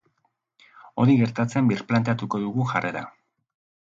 Hori gertatzean birplanteatuko dugu jarrera.